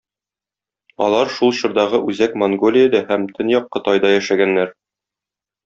Алар шул чордагы Үзәк Монголиядә һәм Төньяк Кытайда яшәгәннәр.